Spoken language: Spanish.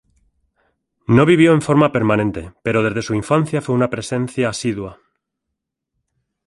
No vivió en forma permanente, pero desde su infancia fue una presencia asidua.